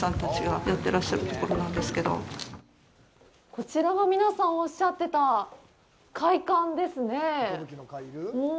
こちらが皆さんがおっしゃってた会館ですね。